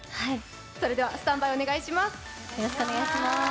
それではスタンバイ、お願いします